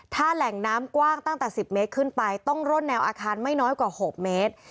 ถ้าแหล่งน้ำกว้างตั้งแต่๑๐เมตรขึ้นไปต้องร่นแนวอาคารไม่น้อยกว่า๖เมตร